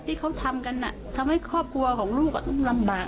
ที่เขาทำกันทำให้ครอบครัวของลูกต้องลำบาก